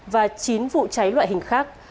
và chín vụ cháy loại hình khác